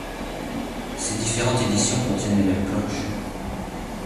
Ces différentes éditions contiennent les mêmes planches.